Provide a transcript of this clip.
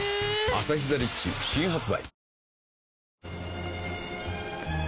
「アサヒザ・リッチ」新発売